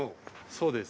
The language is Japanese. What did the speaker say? そうです。